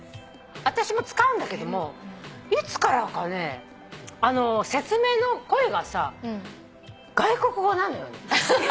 私も使うんだけどもいつからかね説明の声がさ外国語なのよね。